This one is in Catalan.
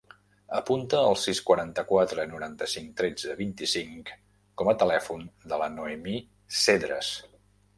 Apunta el sis, quaranta-quatre, noranta-cinc, tretze, vint-i-cinc com a telèfon de la Noemí Cedres.